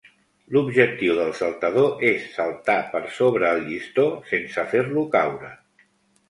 L'objectiu del saltador és saltar per sobre el llistó sense fer-lo caure.